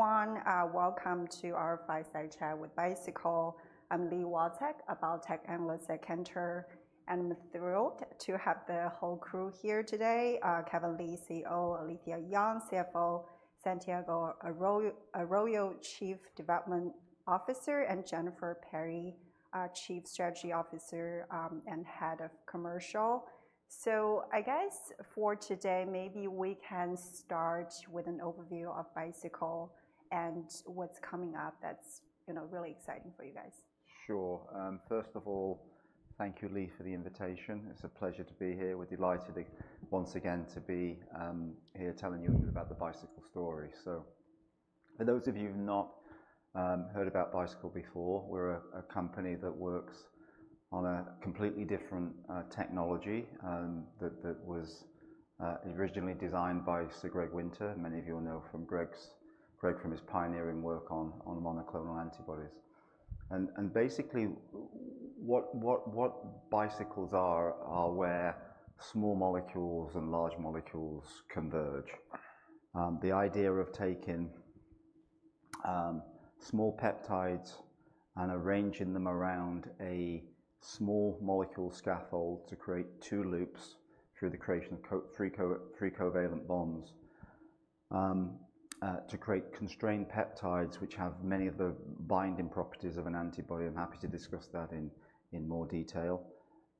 Hi, everyone. Welcome to our Fireside Chat with Bicycle. I'm Li Watsek, a biotech analyst at Cantor, and I'm thrilled to have the whole crew here today. Kevin Lee, CEO, Alethia Young, CFO, Santiago Arroyo, Chief Development Officer, and Jennifer Perry, our Chief Strategy Officer and Head of Commercial. So I guess for today, maybe we can start with an overview of Bicycle and what's coming up that's, you know, really exciting for you guys. Sure. First of all, thank you, Li, for the invitation. It's a pleasure to be here. We're delighted, once again, to be here telling you a bit about the Bicycle story. So for those of you who've not heard about Bicycle before, we're a company that works on a completely different technology that was originally designed by Sir Greg Winter. Many of you will know Greg from his pioneering work on monoclonal antibodies. And basically, what Bicycles are is where small molecules and large molecules converge. The idea of taking small peptides and arranging them around a small molecule scaffold to create two loops through the creation of three covalent bonds to create constrained peptides, which have many of the binding properties of an antibody. I'm happy to discuss that in more detail.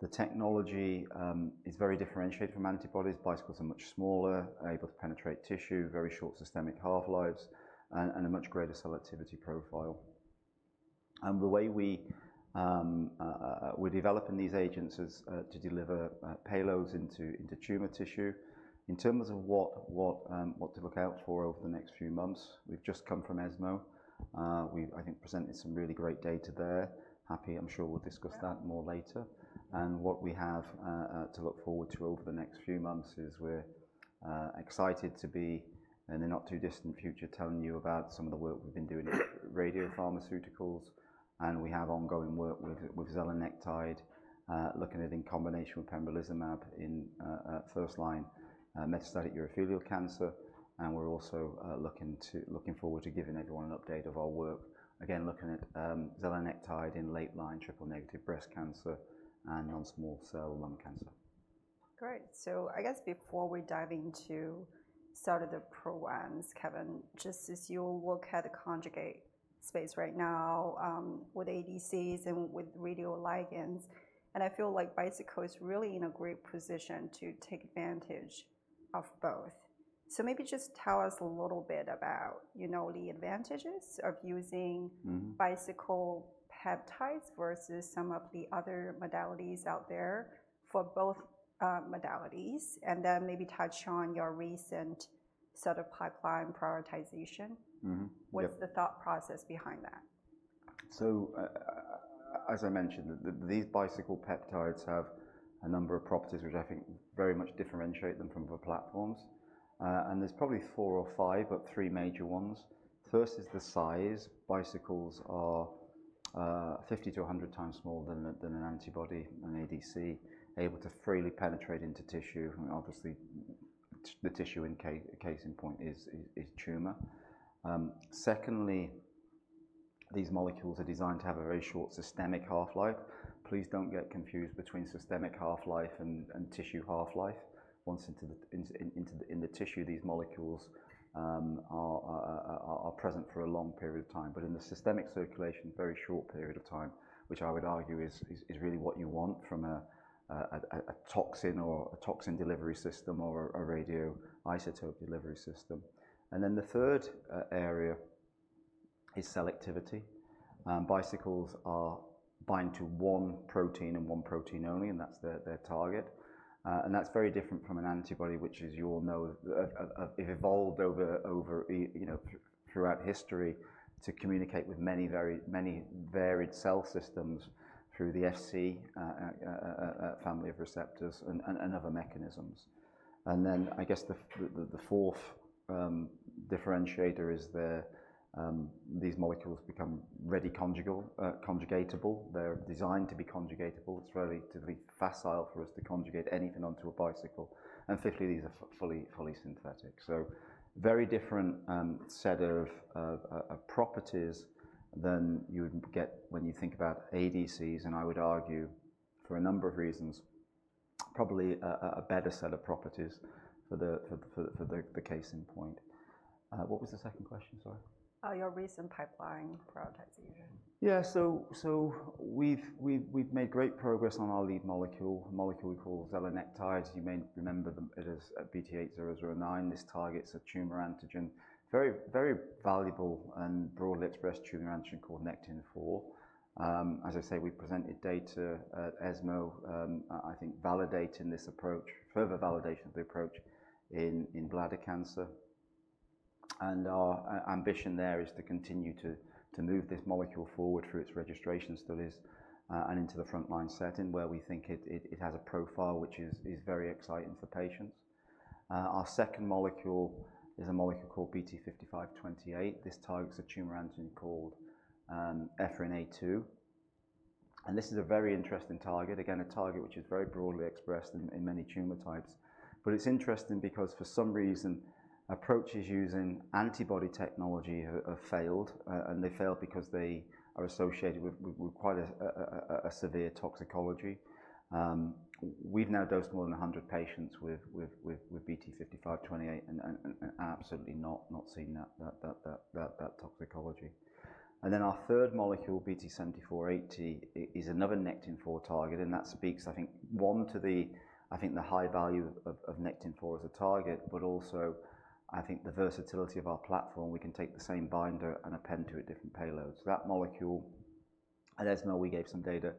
The technology is very differentiated from antibodies. Bicycles are much smaller, are able to penetrate tissue, very short systemic half-lives, and a much greater selectivity profile. And the way we're developing these agents is to deliver payloads into tumor tissue. In terms of what to look out for over the next few months, we've just come from ESMO. We, I think, presented some really great data there. I'm sure we'll discuss that more later. And what we have to look forward to over the next few months is we're excited to be, in the not-too-distant future, telling you about some of the work we've been doing with radiopharmaceuticals, and we have ongoing work with zelnecirib looking at in combination with pembrolizumab in first-line metastatic urothelial cancer. And we're also looking forward to giving everyone an update of our work, again, looking at zelnecirib in late-line triple-negative breast cancer and non-small cell lung cancer. Great. So I guess before we dive into sort of the programs, Kevin, just as you look at the conjugate space right now, with ADCs and with radioligands, and I feel like Bicycle is really in a great position to take advantage of both. So maybe just tell us a little bit about, you know, the advantages of using Bicycle peptides versus some of the other modalities out there for both modalities, and then maybe touch on your recent set of pipeline prioritization. Mm-hmm. Yep. What's the thought process behind that? As I mentioned, these Bicycle peptides have a number of properties which I think very much differentiate them from other platforms, and there's probably four or five, but three major ones. First is the size. Bicycles are 50x-100x smaller than an antibody, an ADC, able to freely penetrate into tissue, and obviously, the tissue in case in point is tumor. Secondly, these molecules are designed to have a very short systemic half-life. Please don't get confused between systemic half-life and tissue half-life. Once into the tissue, these molecules are present for a long period of time, but in the systemic circulation, very short period of time, which I would argue is really what you want from a toxin or a toxin delivery system or a radioisotope delivery system. And then the third area is selectivity. Bicycles bind to one protein and one protein only, and that's their target. And that's very different from an antibody, which, as you all know, have evolved over, you know, throughout history to communicate with many very varied cell systems through the Fc family of receptors and other mechanisms. And then I guess the fourth differentiator is these molecules become ready conjugatable. They're designed to be conjugatable. It's relatively facile for us to conjugate anything onto a Bicycle, and fifthly, these are fully synthetic. So very different set of properties than you would get when you think about ADCs, and I would argue, for a number of reasons, probably a better set of properties for the case in point. What was the second question? Sorry. Your recent pipeline prioritization. Yeah. So we've made great progress on our lead molecule, a molecule we call zelnecirib. You may remember them. It is BT8009. This targets a tumor antigen, very valuable and broadly expressed tumor antigen called Nectin-4. As I say, we presented data at ESMO, I think validating this approach, further validation of the approach in bladder cancer. And our ambition there is to continue to move this molecule forward through its registration studies, and into the front-line setting, where we think it has a profile which is very exciting for patients. Our second molecule is a molecule called BT5528. This targets a tumor antigen called ephrin A2, and this is a very interesting target. Again, a target which is very broadly expressed in many tumor types. But it's interesting because for some reason, approaches using antibody technology have failed, and they failed because they are associated with quite a severe toxicology. We've now dosed more than 100 patients with BT5528, and absolutely not seeing that toxicology. And then our third molecule, BT7480, is another Nectin-4 target, and that speaks, I think, to the high value of Nectin-4 as a target, but also, I think the versatility of our platform. We can take the same binder and append to it different payloads. So that molecule, at ESMO, we gave some data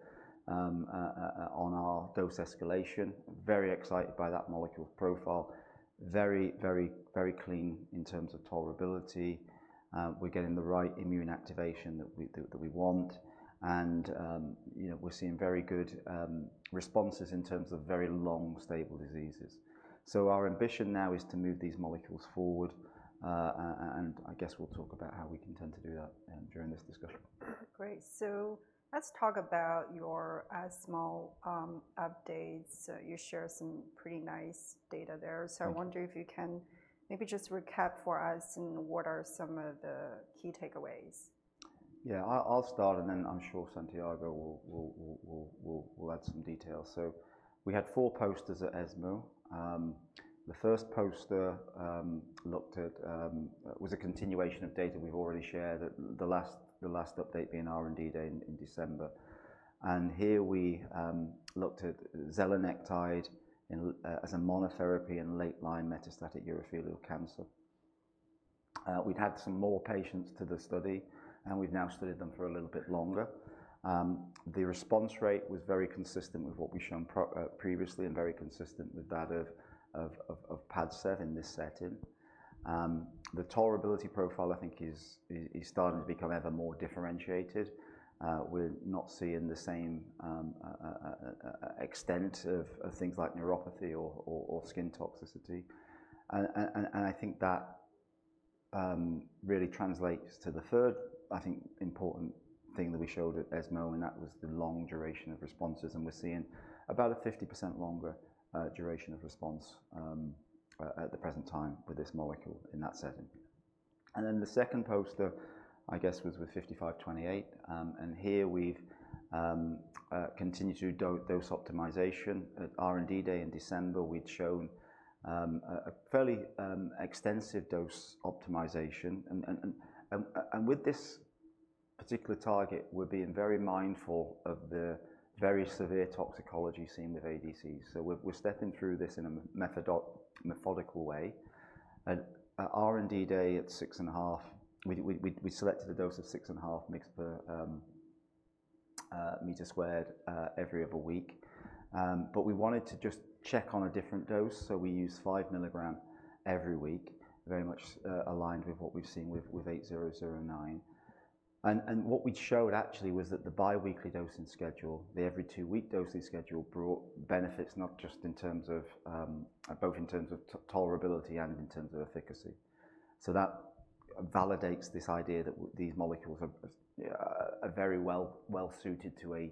on our dose escalation. Very excited by that molecule profile. Very clean in terms of tolerability. We're getting the right immune activation that we want, and you know, we're seeing very good responses in terms of very long, stable diseases, so our ambition now is to move these molecules forward, and I guess we'll talk about how we intend to do that during this discussion. Great. So let's talk about your small updates. So you shared some pretty nice data there. Thank you. So I wonder if you can maybe just recap for us on what are some of the key takeaways. Yeah. I'll start, and then I'm sure Santiago will add some details. We had four posters at ESMO. The first poster was a continuation of data we've already shared at the last update being our R&D Day in December. Here we looked at zelnecirib in late-line as a monotherapy in late-line metastatic urothelial cancer. We'd had some more patients to the study, and we've now studied them for a little bit longer. The response rate was very consistent with what we've shown previously and very consistent with that of Padcev in this setting. The tolerability profile, I think, is starting to become ever more differentiated. We're not seeing the same extent of things like neuropathy or skin toxicity. And I think that really translates to the third important thing that we showed at ESMO, and that was the long duration of responses, and we're seeing about a 50% longer duration of response at the present time with this molecule in that setting. Then the second poster, I guess, was with 5528. And here we've continued to do dose optimization. At R&D Day in December, we'd shown a fairly extensive dose optimization. And with this particular target, we're being very mindful of the very severe toxicology seen with ADCs. So we're stepping through this in a methodical way. At R&D Day, at six and a half, we selected a dose of 6.5 mg/m² every other week. But we wanted to just check on a different dose, so we used 5 mg every week, very much aligned with what we've seen with 8009. And what we'd showed actually was that the biweekly dosing schedule, the every two-week dosing schedule, brought benefits, not just in terms of both in terms of tolerability and in terms of efficacy. So that validates this idea that these molecules are very well-suited to an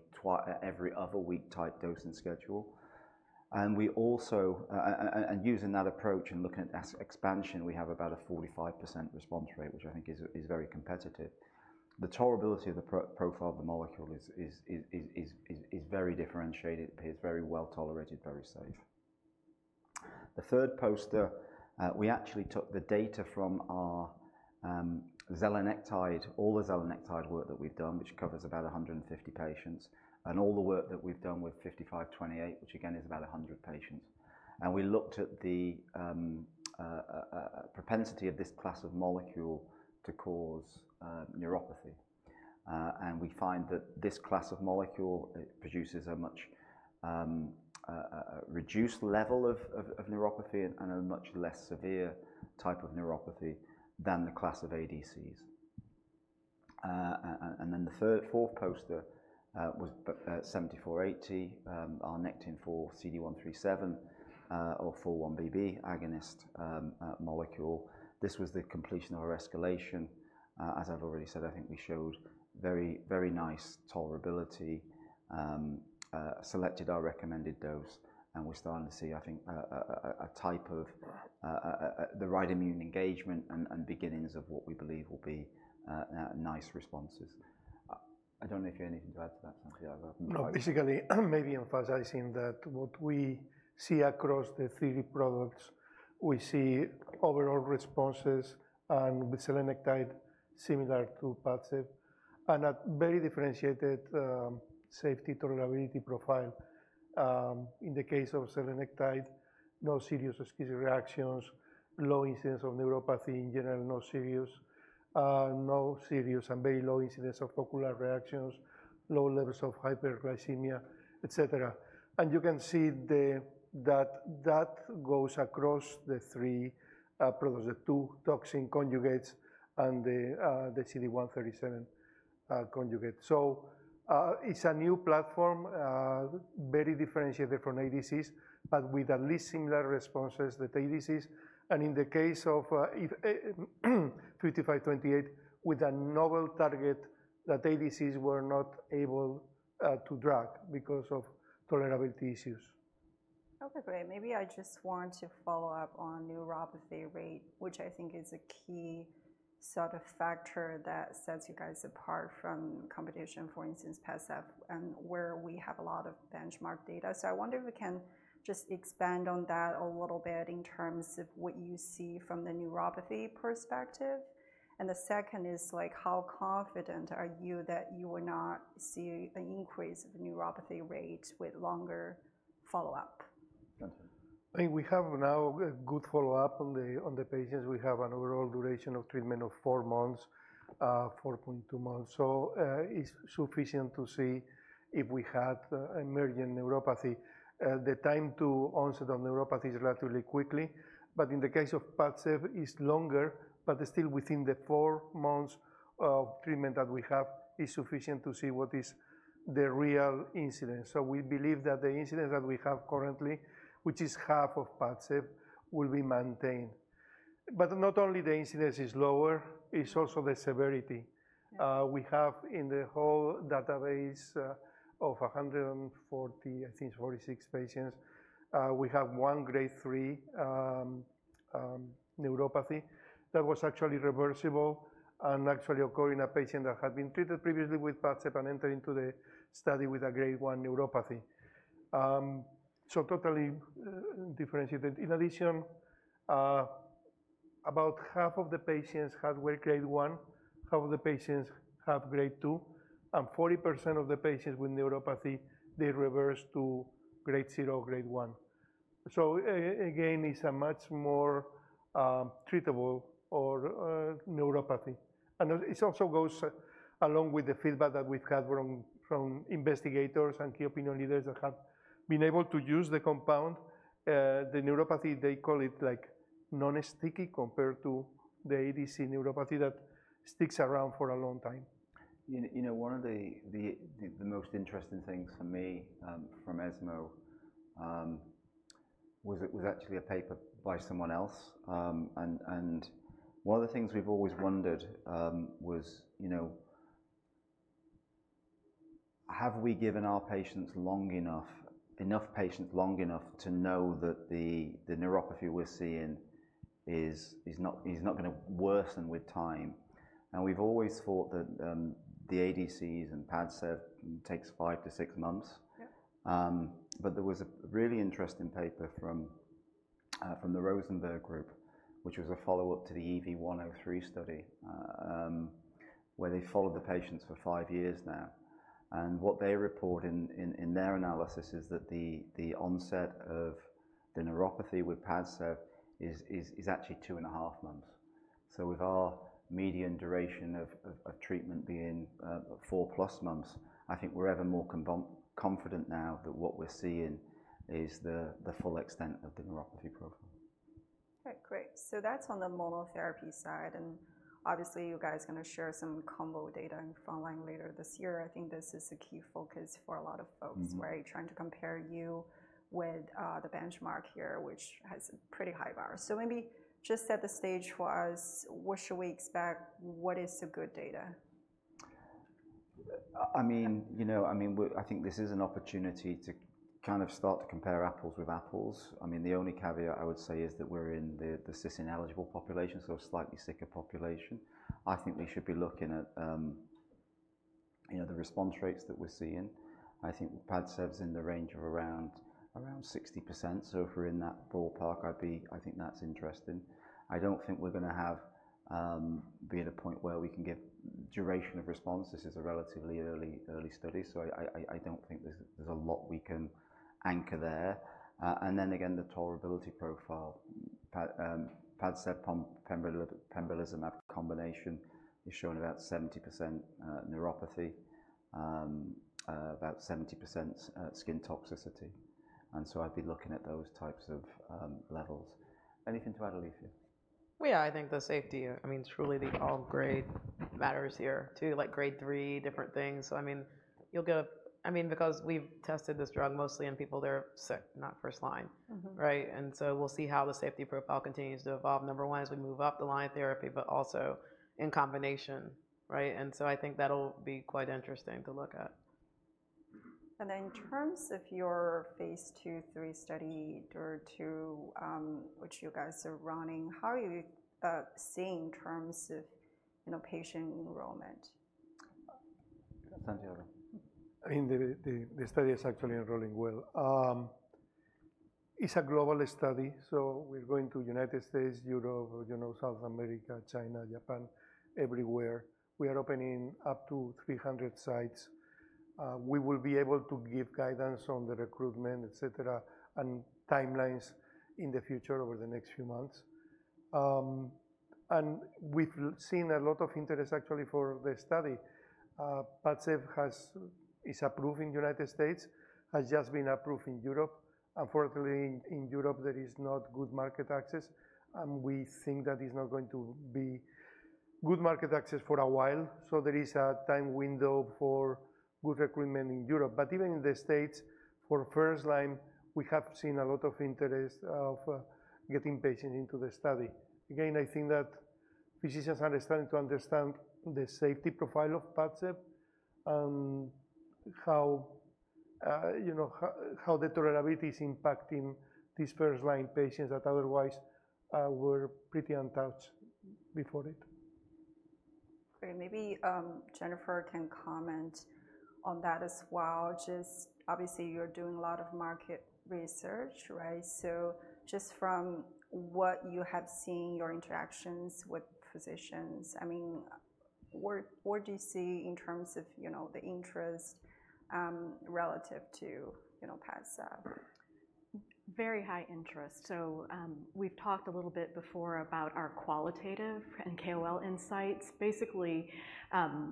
every other week type dosing schedule. And we also and using that approach and looking at as expansion, we have about a 45% response rate, which I think is very competitive. The tolerability of the profile of the molecule is very differentiated, appears very well-tolerated, very safe. The third poster, we actually took the data from our zelnecirib, all the zelnecirib work that we've done, which covers about 150 patients, and all the work that we've done with 5528, which again is about 100 patients. And we looked at the propensity of this class of molecule to cause neuropathy. And we find that this class of molecule, it produces a much reduced level of neuropathy and a much less severe type of neuropathy than the class of ADCs. And then the third, fourth poster was BT7480, our Nectin-4 CD137 or 4-1BB agonist molecule. This was the completion of our escalation. As I've already said, I think we showed very, very nice tolerability, selected our recommended dose, and we're starting to see, I think, a type of the right immune engagement and beginnings of what we believe will be nice responses. I don't know if you have anything to add to that, Santiago? No. Basically, maybe emphasizing that what we see across the three products, we see overall responses, and with zelnecirib, similar to Padcev, and a very differentiated safety tolerability profile. In the case of zelnecirib, no serious adverse reactions, low incidence of neuropathy, in general, no serious and very low incidence of ocular reactions, low levels of hyperglycemia, et cetera. And you can see that that goes across the three products, the two toxin conjugates and the CD137 conjugate. So, it is a new platform, very differentiated from ADCs, but with at least similar responses as the ADCs, and in the case of BT5528, with a novel target that ADCs were not able to drug because of tolerability issues. Okay, great. Maybe I just want to follow up on neuropathy rate, which I think is a key sort of factor that sets you guys apart from competition, for instance, Padcev, and where we have a lot of benchmark data. So I wonder if we can just expand on that a little bit in terms of what you see from the neuropathy perspective. And the second is like, how confident are you that you will not see an increase of the neuropathy rate with longer follow-up? I think we have now good follow-up on the patients. We have an overall duration of treatment of four months, 4.2 months. So, it's sufficient to see if we had emerging neuropathy. The time to onset of neuropathy is relatively quickly, but in the case of Padcev, it's longer, but still within the four months of treatment that we have is sufficient to see what is the real incidence. So we believe that the incidence that we have currently, which is half of Padcev, will be maintained. But not only the incidence is lower, it's also the severity. We have in the whole database of 146 patients, we have one Grade 3 neuropathy that was actually reversible and actually occurred in a patient that had been treated previously with Padcev and entered into the study with a Grade 1 neuropathy. So totally differentiated. In addition, about half of the patients were Grade 1, half of the patients have Grade 2, and 40% of the patients with neuropathy, they reversed to Grade 0, Grade 1. So again, it's a much more treatable or neuropathy. And it also goes along with the feedback that we've had from investigators and key opinion leaders that have been able to use the compound. The neuropathy, they call it like non-sticky compared to the ADC neuropathy that sticks around for a long time. You know, one of the most interesting things for me from ESMO was actually a paper by someone else. And one of the things we've always wondered was, you know, have we given our patients long enough, enough patients long enough to know that the neuropathy we're seeing is not gonna worsen with time? And we've always thought that the ADCs and Padcev takes five to six months. Yeah. But there was a really interesting paper from the Rosenberg group, which was a follow-up to the EV103 study, where they followed the patients for five years now. And what they report in their analysis is that the onset of the neuropathy with Padcev is actually two and a half months. So with our median duration of treatment being four plus months, I think we're ever more confident now that what we're seeing is the full extent of the neuropathy profile. Right. Great. So that's on the monotherapy side, and obviously, you guys are gonna share some combo data in front line later this year. I think this is a key focus for a lot of folks. We're trying to compare you with the benchmark here, which has pretty high bars. So maybe just set the stage for us. What should we expect? What is the good data? I mean, you know, I mean, we. I think this is an opportunity to kind of start to compare apples with apples. I mean, the only caveat I would say is that we're in the cis-ineligible population, so a slightly sicker population. I think we should be looking at, you know, the response rates that we're seeing. I think Padcev's in the range of around 60%, so if we're in that ballpark, I'd be... I think that's interesting. I don't think we're gonna have be at a point where we can give duration of response. This is a relatively early study, so I don't think there's a lot we can anchor there. And then again, the tolerability profile. Padcev pembrolizumab combination is showing about 70% neuropathy, about 70% skin toxicity, and so I'd be looking at those types of levels. Anything to add, Alethia? Yeah, I think the safety, I mean, truly the all grade matters here, too, like Grade 3 different things. So, I mean, you'll get a, I mean, because we've tested this drug mostly in people that are sick, not first line. Right? And so we'll see how the safety profile continues to evolve, number one, as we move up the line of therapy, but also in combination, right? And so I think that'll be quite interesting to look at. And then in terms of your phase II, III study or to, which you guys are running, how are you seeing in terms of, you know, patient enrollment? Santiago? I mean, the study is actually enrolling well. It's a global study, so we're going to United States, Europe, you know, South America, China, Japan, everywhere. We are opening up to 300 sites. We will be able to give guidance on the recruitment, et cetera, and timelines in the future over the next few months. And we've seen a lot of interest, actually, for the study. Padcev is approved in United States, has just been approved in Europe. Unfortunately, in Europe, there is not good market access, and we think that it's not going to be good market access for a while. So there is a time window for good recruitment in Europe. But even in the States, for first line, we have seen a lot of interest of getting patients into the study. Again, I think that physicians are starting to understand the safety profile of Padcev and how, you know, the tolerability is impacting these first-line patients that otherwise were pretty untouched before it. Great. Maybe Jennifer can comment on that as well. Just obviously, you're doing a lot of market research, right? So just from what you have seen, your interactions with physicians, I mean, what do you see in terms of, you know, the interest relative to, you know, Padcev? Very high interest. We've talked a little bit before about our qualitative and KOL insights, basically,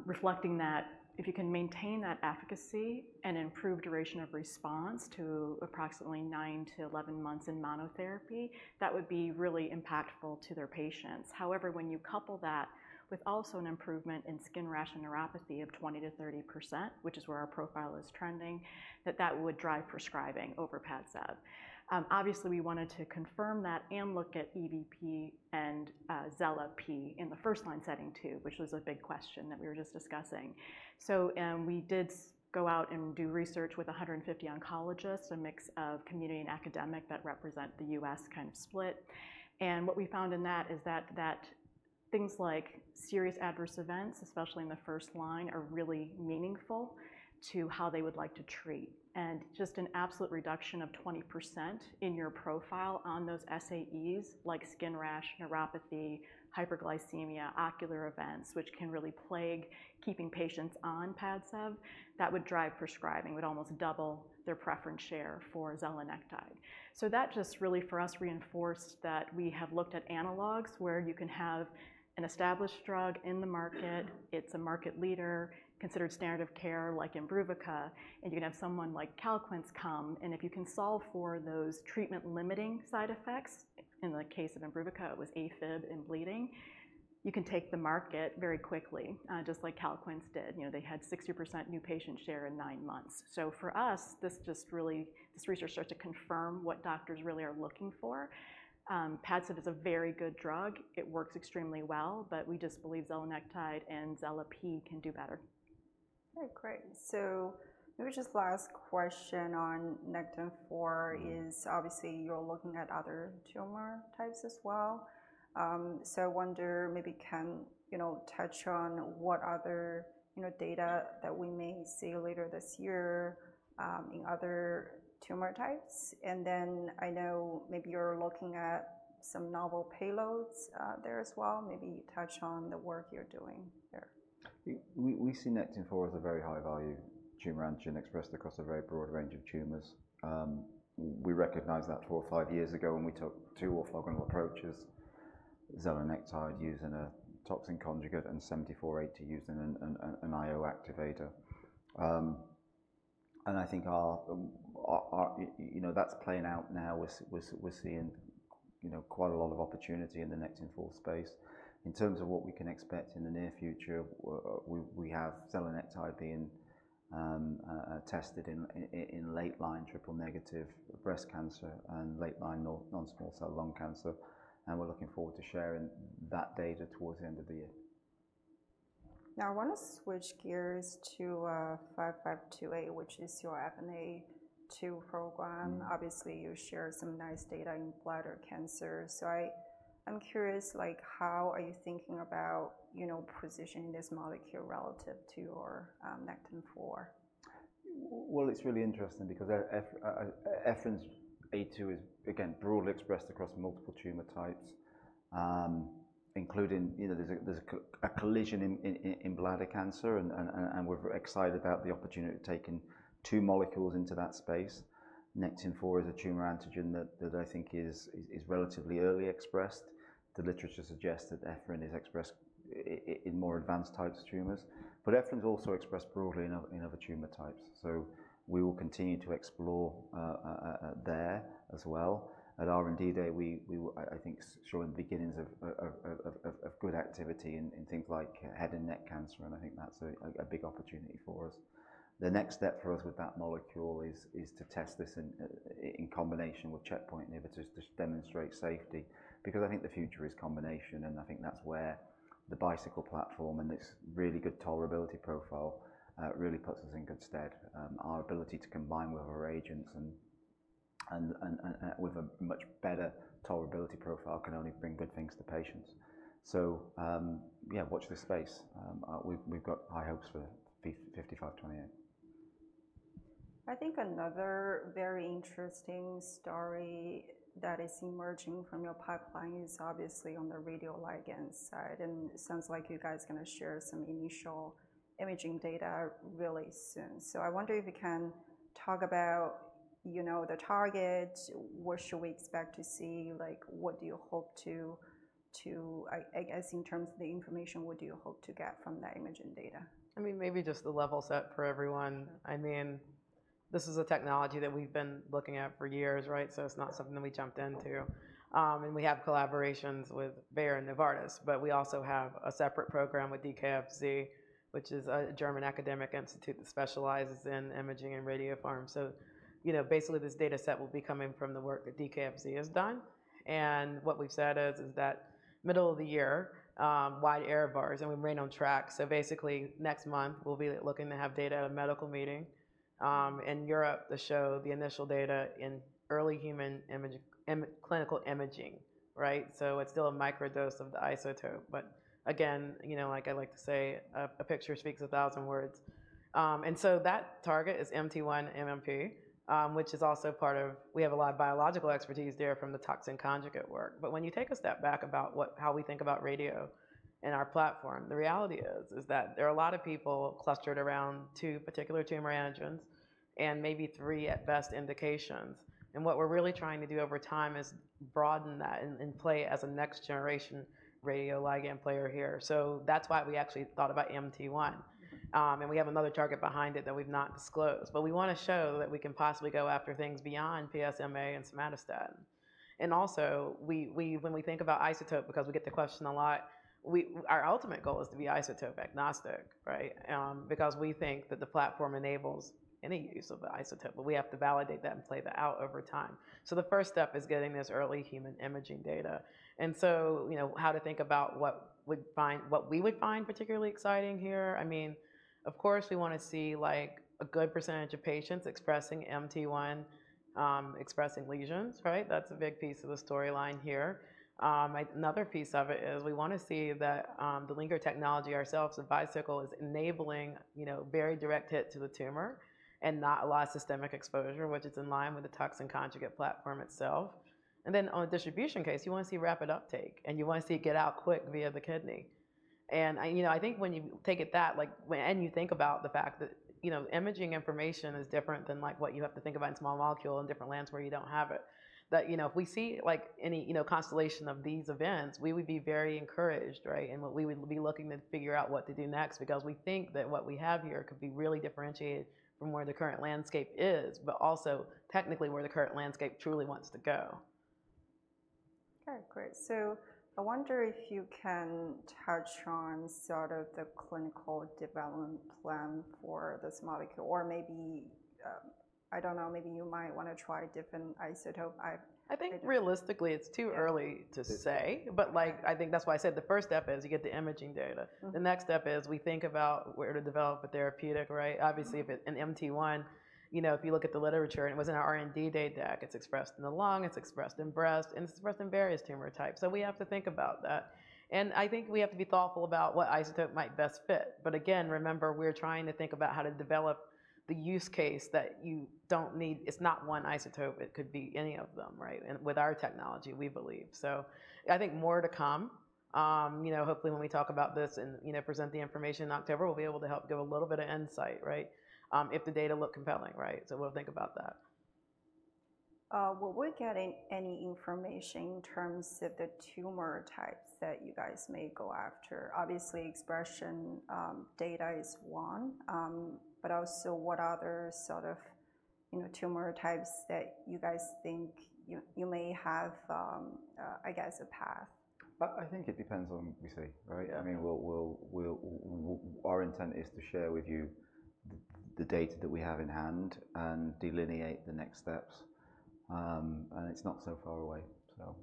reflecting that if you can maintain that efficacy and improve duration of response to approximately nine to 11 months in monotherapy, that would be really impactful to their patients. However, when you couple that with also an improvement in skin rash and neuropathy of 20%-30%, which is where our profile is trending, that would drive prescribing over Padcev. Obviously, we wanted to confirm that and look at EphA2 and zelnecirib pevedotin in the first-line setting, too, which was a big question that we were just discussing. We did go out and do research with 150 oncologists, a mix of community and academic that represent the U.S. kind of split. And what we found in that is that, that things like serious adverse events, especially in the first line, are really meaningful to how they would like to treat, and just an absolute reduction of 20% in your profile on those SAEs, like skin rash, neuropathy, hyperglycemia, ocular events, which can really plague keeping patients on Padcev, that would drive prescribing, would almost double their preference share for zelnecirib. So that just really, for us, reinforced that we have looked at analogues where you can have an established drug in the market, it's a market leader, considered standard of care like Imbruvica, and you can have someone like Calquence come, and if you can solve for those treatment-limiting side effects, in the case of Imbruvica, it was AFib and bleeding, you can take the market very quickly, just like Calquence did. You know, they had 60% new patient share in nine months. So for us, this research starts to confirm what doctors really are looking for. Padcev is a very good drug. It works extremely well, but we just believe zelnecirib and pembro can do better. Okay, great. So maybe just last question on Nectin-4 is obviously you're looking at other tumor types as well. So I wonder maybe, Kevin, you know, touch on what other, you know, data that we may see later this year, in other tumor types. And then I know maybe you're looking at some novel payloads, there as well. Maybe touch on the work you're doing there. We see Nectin-4 as a very high-value tumor antigen expressed across a very broad range of tumors. We recognized that four or five years ago when we took two orthogonal approaches: zelnecirib using a toxin conjugate and BT7480 using an IO activator. And I think you know, that's playing out now. We're seeing, you know, quite a lot of opportunity in the Nectin-4 space. In terms of what we can expect in the near future, we have zelnecirib being tested in late-line triple-negative breast cancer and late-line non-small cell lung cancer, and we're looking forward to sharing that data towards the end of the year. Now, I want to switch gears to 5528, which is your ephrin A2 program. Obviously, you shared some nice data in bladder cancer. So I'm curious, like, how are you thinking about, you know, positioning this molecule relative to your Nectin-4? It's really interesting because ephrin A2 is, again, broadly expressed across multiple tumor types, including, you know, there's a collision in bladder cancer, and we're excited about the opportunity of taking two molecules into that space. Nectin-4 is a tumor antigen that I think is relatively early expressed. The literature suggests that ephrin is expressed in more advanced types of tumors, but ephrin is also expressed broadly in other tumor types, so we will continue to explore there as well. At R&D Day, I think I showed the beginnings of good activity in things like head and neck cancer, and I think that's a big opportunity for us. The next step for us with that molecule is to test this in combination with checkpoint inhibitors to demonstrate safety, because I think the future is combination, and I think that's where the Bicycle platform and this really good tolerability profile really puts us in good stead. Our ability to combine with other agents and with a much better tolerability profile can only bring good things to patients. So, yeah, watch this space. We've got high hopes for BT5528. I think another very interesting story that is emerging from your pipeline is obviously on the radioligand side, and it sounds like you guys are going to share some initial imaging data really soon. So I wonder if you can talk about, you know, the target. What should we expect to see? Like, what do you hope to, I guess, in terms of the information, what do you hope to get from that imaging data? I mean, maybe just the level set for everyone. This is a technology that we've been looking at for years, right? So it's not something that we jumped into. And we have collaborations with Bayer and Novartis, but we also have a separate program with DKFZ, which is a German academic institute that specializes in imaging and radiopharm. So, you know, basically, this data set will be coming from the work that DKFZ has done, and what we've said is that middle of the year, wide error bars, and we've remained on track. So basically, next month, we'll be looking to have data at a medical meeting in Europe to show the initial data in early human imaging, clinical imaging, right? So it's still a microdose of the isotope, but again, you know, like I like to say, a picture speaks a thousand words. And so that target is MT1-MMP, which is also part of. We have a lot of biological expertise there from the toxin conjugate work. But when you take a step back about how we think about radio and our platform, the reality is that there are a lot of people clustered around two particular tumor antigens and maybe three, at best, indications. And what we're really trying to do over time is broaden that and play as a next-generation radioligand player here. So that's why we actually thought about MT1. And we have another target behind it that we've not disclosed, but we wanna show that we can possibly go after things beyond PSMA and somatostatin. And also, when we think about isotope, because we get the question a lot, our ultimate goal is to be isotope-agnostic, right? Because we think that the platform enables any use of the isotope, but we have to validate that and play that out over time. So the first step is getting this early human imaging data. So, you know, how to think about what we would find particularly exciting here, I mean, of course, we wanna see, like, a good percentage of patients expressing MT1, expressing lesions, right? That's a big piece of the storyline here. Another piece of it is we wanna see that, the linker technology ourselves with Bicycle is enabling, you know, very direct hit to the tumor and not a lot of systemic exposure, which is in line with the toxin conjugate platform itself. Then, on the distribution case, you wanna see rapid uptake, and you wanna see it get out quick via the kidney. You know, I think when you take it that, like, when you think about the fact that, you know, imaging information is different than, like, what you have to think about in small molecule, in different lands where you don't have it. But, you know, if we see, like, any, you know, constellation of these events, we would be very encouraged, right? And what we would be looking to figure out what to do next, because we think that what we have here could be really differentiated from where the current landscape is, but also technically where the current landscape truly wants to go. Okay, great. So I wonder if you can touch on sort of the clinical development plan for this molecule, or maybe, I don't know, maybe you might wanna try a different isotope. I think realistically, it's too early to say. But, like, I think that's why I said the first step is you get the imaging data. The next step is we think about where to develop a therapeutic, right? Obviously, in MT1, you know, if you look at the literature, and it was in our R&D data deck, it's expressed in the lung, it's expressed in breast, and it's expressed in various tumor types. So we have to think about that. And I think we have to be thoughtful about what isotope might best fit. But again, remember, we're trying to think about how to develop the use case that you don't need. It's not one isotope. It could be any of them, right? And with our technology, we believe. So I think more to come. You know, hopefully, when we talk about this and, you know, present the information in October, we'll be able to help give a little bit of insight, right? If the data look compelling, right? So we'll think about that. Were we getting any information in terms of the tumor types that you guys may go after? Obviously, expression data is one, but also, what other sort of, you know, tumor types that you guys think you may have, I guess, a path? I think it depends on, you see, right? I mean, our intent is to share with you the data that we have in hand and delineate the next steps. It's not so far away, so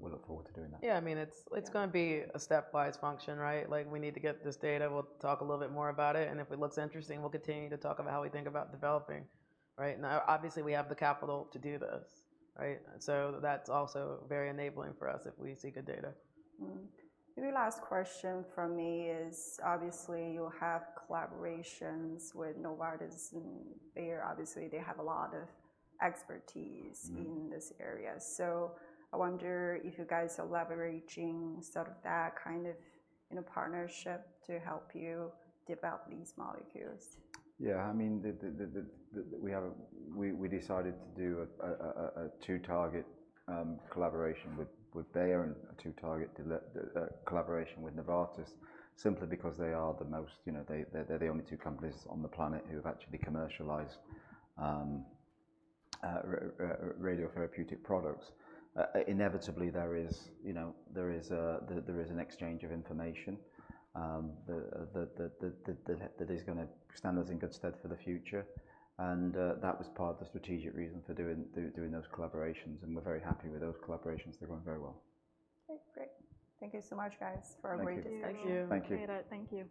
we look forward to doing that. Yeah, I mean, it's gonna be a stepwise function, right? Like, we need to get this data. We'll talk a little bit more about it, and if it looks interesting, we'll continue to talk about how we think about developing, right? Now, obviously, we have the capital to do this, right? So that's also very enabling for us if we see good data. Maybe last question from me is, obviously, you have collaborations with Novartis and Bayer. Obviously, they have a lot of expertise in this area. So I wonder if you guys are leveraging sort of that kind of, in a partnership, to help you develop these molecules? Yeah, I mean, we decided to do a two-target collaboration with Bayer and a two-target collaboration with Novartis simply because they are the most, they're the only two companies on the planet who have actually commercialized radiopharmaceutical products. Inevitably, there is an exchange of information that is gonna stand us in good stead for the future, and that was part of the strategic reason for doing those collaborations, and we're very happy with those collaborations. They're going very well. Okay, great. Thank you so much, guys, for a great discussion. Thank you. Thank you. Appreciate it. Thank you.